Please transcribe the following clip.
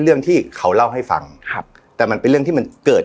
เรื่องที่เขาเล่าให้ฟังครับแต่มันเป็นเรื่องที่มันเกิด